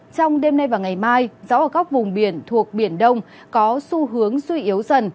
trong đêm nay và ngày mai gió ở các vùng biển thuộc biển đông có xu hướng suy yếu dần